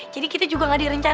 jadi kita juga gak dipercaya